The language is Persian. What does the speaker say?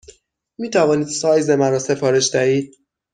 می توانید سایز مرا سفارش دهید؟